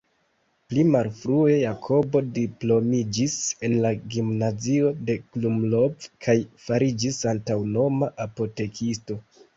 Pli malfrue Jakobo diplomiĝis en la Gimnazio de Krumlov kaj fariĝis aŭtonoma apotekisto.